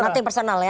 oke nanti personal ya